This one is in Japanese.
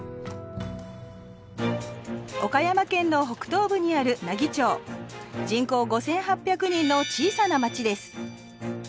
岡山県の北東部にある奈義町人口５８００人の小さな町です